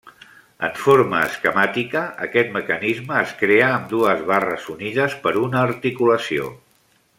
En forma esquemàtica, aquest mecanisme es crea amb dues barres unides per una articulació.